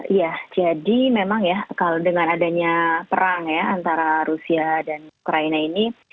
iya jadi memang ya kalau dengan adanya perang ya antara rusia dan ukraina ini